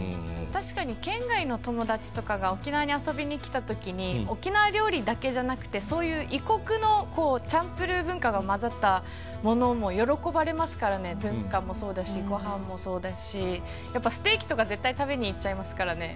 確かに県外の友達とかが沖縄に遊びに来た時に沖縄料理だけじゃなくてそういう異国のチャンプルー文化が混ざったものも喜ばれますからね文化もそうだしごはんもそうだしやっぱステーキとか絶対食べに行っちゃいますからね。